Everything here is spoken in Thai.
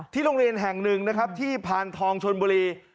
ที่โรงเรียนแห่งหนึ่งที่พานทองชนบุรี